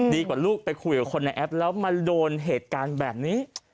ลูกไปคุยกับคนในแอปแล้วมาโดนเหตุการณ์แบบนี้